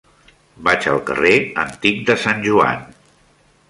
Vaig al carrer Antic de Sant Joan.